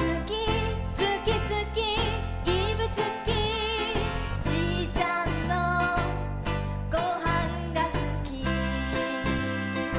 「すきすきいぶすき」「じいちゃんのごはんがすき」